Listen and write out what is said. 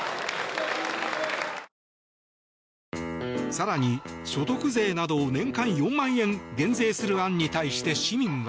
更に、所得税などを年間４万円減税する案に対して市民は。